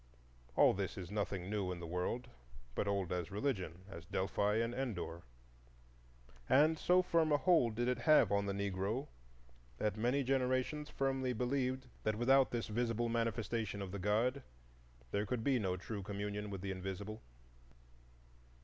All this is nothing new in the world, but old as religion, as Delphi and Endor. And so firm a hold did it have on the Negro, that many generations firmly believed that without this visible manifestation of the God there could be no true communion with the Invisible.